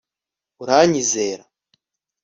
uranyizera